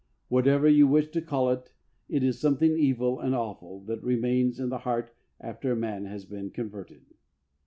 Whatever you wish to cnll it, it is something evil and awful that remains in the heart after a man has been converted.